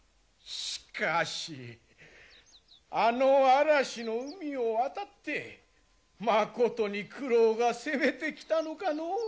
しかしあの嵐の海を渡ってまことに九郎が攻めてきたのかのう？